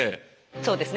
そうですね。